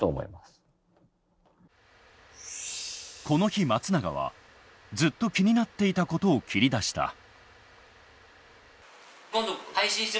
この日松永はずっと気になっていたことを切り出した。